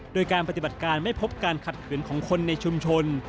โดยการปฏิบัติการไม่พบการขัดขืนของคนในชุมชน